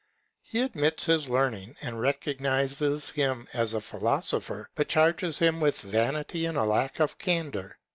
He admits his learning, and recognizes him as a philosopher, but charges him with vanity and a lack of candour.